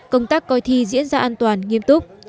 công tác coi thi diễn ra an toàn nghiêm túc